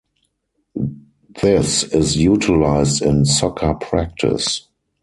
This is utilized in soccer practice.